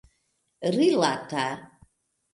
rilata